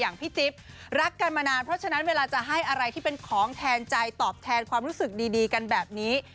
พี่จิ๊บรักกันมานานเพราะฉะนั้นเวลาจะให้อะไรที่เป็นของแทนใจตอบแทนความรู้สึกดีกันแบบนี้